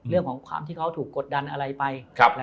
เรื่องของความที่เขาถูกกดดันอะไรไป